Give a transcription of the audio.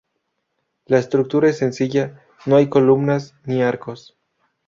La estructura es sencilla, no hay columnas, ni arcos.